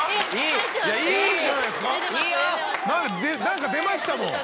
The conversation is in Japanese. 何か出ましたもん。